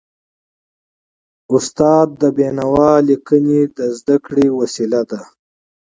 استاد د بينوا ليکني د زده کړي وسیله ده.